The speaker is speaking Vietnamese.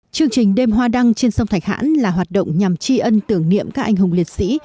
chương trình đêm hoa đăng trên sông thạch hãn là hoạt động nhằm tri ân tưởng niệm các anh hùng liệt sĩ